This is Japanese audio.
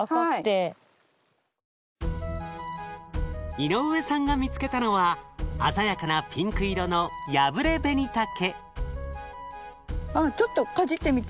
井上さんが見つけたのは鮮やかなピンク色のいいですか？